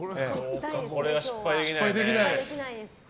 これは、失敗できないね。